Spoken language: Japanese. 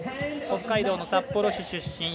北海道の札幌市出身。